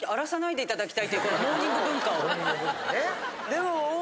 でも。